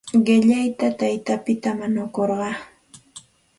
Qillaytam taytapita mañakurqaa.